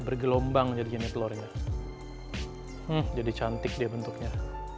bergelombang jadi gini telurnya jadi cantik bentuknya